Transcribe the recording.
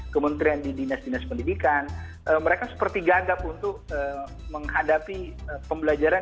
kementerian di dinas dinas pendidikan mereka seperti gagap untuk menghadapi pembelajaran